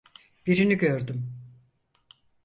Birini gördüm.